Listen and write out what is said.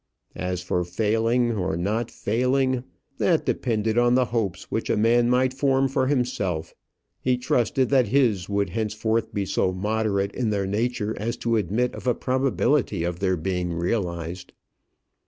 As for failing, or not failing, that depended on the hopes which a man might form for himself. He trusted that his would henceforth be so moderate in their nature as to admit of a probability of their being realized."